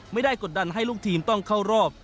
ไม่ได้กดดันให้ลูกทีมต้องเข้ารอบ